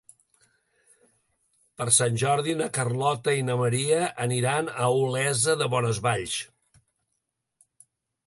Per Sant Jordi na Carlota i na Maria aniran a Olesa de Bonesvalls.